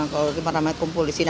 kalau dulu ramai ramai kumpul di sini